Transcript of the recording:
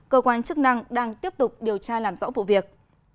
cơ quan chức năng đang tiếp tục điều tra làm rõ vụ việc